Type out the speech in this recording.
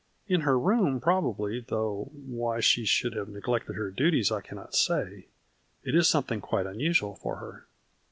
"" In her room probably, though why she should have neglected her duties I cannot say. It is something quite unusual for her."